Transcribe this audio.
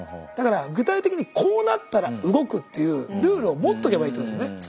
だから具体的にこうなったら動くっていうルールを持っとけばいいってことだよね。